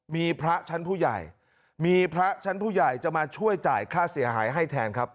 มีพระชั้นผู้ใหญ่มีพระชั้นผู้ใหญ่จะมาช่วยจ่ายค่าเสียหายให้แทนครับ